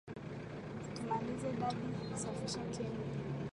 Tumalizie daddy safisha Kenya.